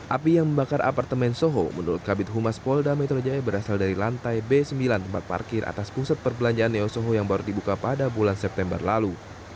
api yang membakar apartemen soho menurut kabit humas polda metro jaya berasal dari lantai b sembilan tempat parkir atas pusat perbelanjaan neosoho yang baru dibuka pada bulan september lalu